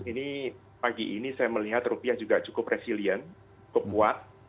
ini pagi ini saya melihat rupiah juga cukup resilient cukup kuat